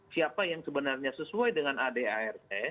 siapa yang sebenarnya sesuai dengan adar